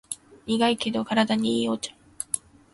苦いけど体にいいお茶